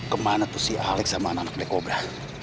kemana tuh si alex sama anak anak black cobra